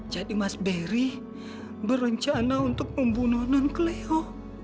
jadi mas beri berencana untuk membunuh cleo